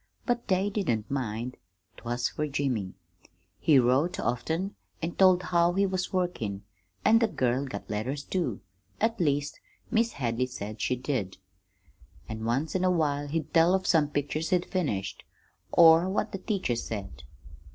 But they didn't mind 't was fer Jimmy. He wrote often, an' told how he was workin', an' the girl got letters, too; at least, Mis' Hadley said she did. An' once in a while he'd tell of some picture he'd finished, or what the teacher said.